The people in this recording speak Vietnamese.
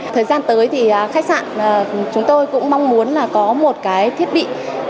thời gian tới thì khách sạn chúng tôi cũng mong muốn là có một cái thiết bị